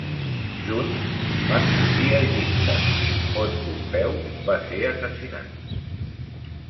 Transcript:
Junts, van fugir a Egipte, on Pompeu va ser assassinat.